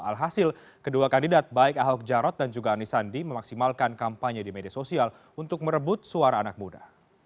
alhasil kedua kandidat baik ahok jarot dan juga anies sandi memaksimalkan kampanye di media sosial untuk merebut suara anak muda